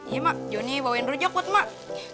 iya mbak joni bawain rujak buat mbak